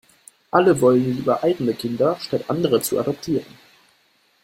Alle wollen lieber eigene Kinder, statt andere zu adoptieren.